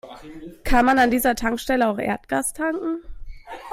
Kann man an dieser Tankstelle auch Erdgas tanken?